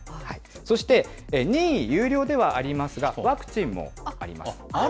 そして、任意、有料ではありますが、ワクチンもあります。